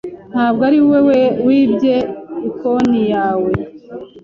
Ntabwo ari we wibye ikooni yawe?